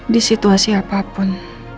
di situasi apapun